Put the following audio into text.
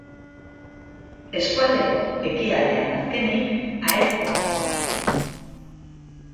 Eskualdeko ekialdean, azkenik, Aezkoa dago.